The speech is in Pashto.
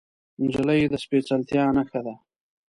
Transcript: نجلۍ د سپیڅلتیا نښه ده.